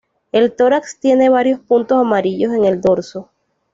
El tórax tiene varios puntos amarillos en el dorso.